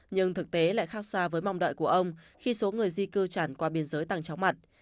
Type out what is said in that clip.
nhưng thực tế lại khác xa với mong đợi của ông khi số người di cư tràn qua biên giới tăng chóng mặt